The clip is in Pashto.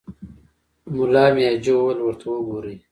ملا مياجي وويل: ورته وګورئ!